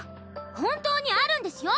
本当にあるんですよ